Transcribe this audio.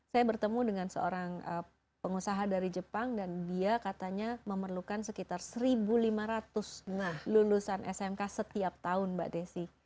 saya bertemu dengan seorang pengusaha dari jepang dan dia katanya memerlukan sekitar satu lima ratus lulusan smk setiap tahun mbak desi